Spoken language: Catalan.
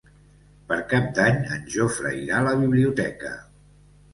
Per Cap d'Any en Jofre irà a la biblioteca.